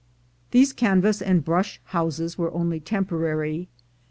These canvas and brush houses were only temporary.